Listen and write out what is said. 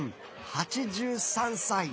８３歳。